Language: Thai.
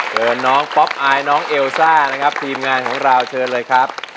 เชิญน้องป๊อปอายน้องเอลซ่านะครับทีมงานของเราเชิญเลยครับ